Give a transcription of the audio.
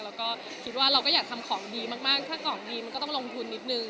แล้วก็คิดว่าเราก็อยากทำของดีมากถ้าของดีมันก็ต้องลงทุนนิดนึง